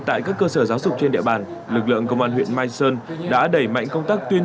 tại các cơ sở giáo dục trên địa bàn lực lượng công an huyện mai sơn đã đẩy mạnh công tác tuyên